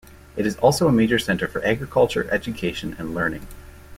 It is also a major centre for agriculture, education and learning.